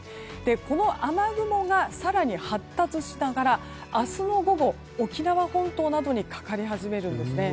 この雨雲が更に発達しながら明日の午後沖縄本島などにかかり始めるんですね。